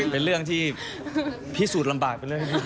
เป็นเรื่องที่พิสูจน์ลำบาก